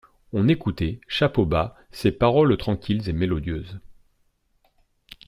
On écoutait, chapeau bas, ses paroles tranquilles et mélodieuses.